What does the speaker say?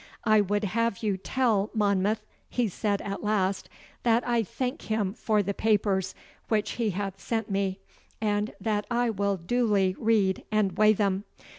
'I would have you tell Monmouth,' he said at last, 'that I thank him for the papers which he hath sent me, and that I will duly read and weigh them.